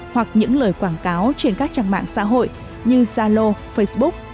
hoặc những lời quảng cáo trên các trang mạng xã hội như zalo facebook